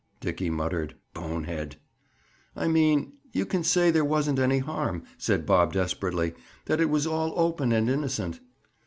Dickie muttered: "Bonehead!" "I mean, you can say there wasn't any harm," said Bob desperately. "That it was all open and innocent!"